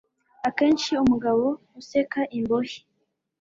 Akenshi umugabo useka imbohe